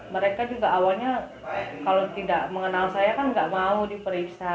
mereka juga awalnya kalau tidak mengenal saya kan gak mau diperiksa